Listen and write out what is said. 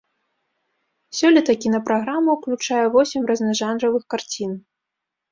Сёлета кінапраграма ўключае восем разнажанравых карцін.